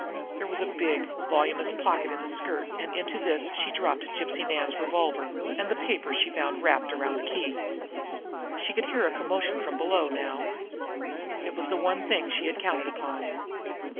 There was a big, voluminous pocket in the skirt, and into this she dropped Gypsy Nan's revolver, and the paper she had found wrapped around the key. She could hear a commotion from below now. It was the one thing she had counted upon.